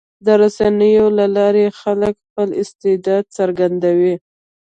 د رسنیو له لارې خلک خپل استعداد څرګندوي.